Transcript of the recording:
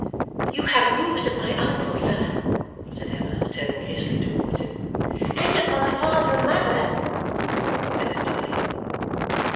'You have news of my uncle, sir?' said Emma, turning hastily towards him. 'And of my father and mother?' added Dolly.